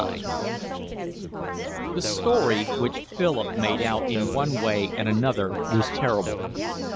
XLIX The story which Philip made out in one way and another was terrible.